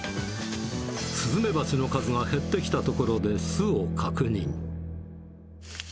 スズメバチの数が減ってきたところで巣を確認。